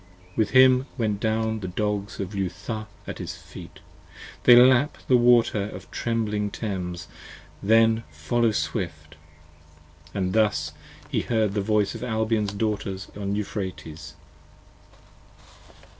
With him went down the Dogs of Leutha at his feet, They lap the water of the trembling Thames, then follow swift. And thus he heard the voice of Albion's daughters on Euphrates.